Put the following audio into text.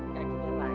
ya ampun nek